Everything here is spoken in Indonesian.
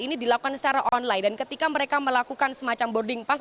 ini dilakukan secara online dan ketika mereka melakukan semacam boarding pass